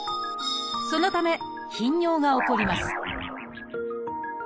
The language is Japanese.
そのため頻尿が起こります